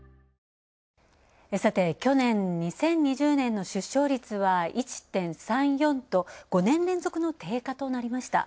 去年、２０２０年の出生率は、１．３４と５年連続の低下となりました。